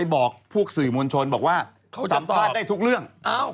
บอกพวกสื่อมวลชนบอกว่าสัมภาษณ์ได้ทุกเรื่อง